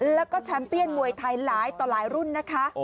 แล้วก็แชมป์เปียนมวยไทยหลายต่อหลายรุ่นนะคะ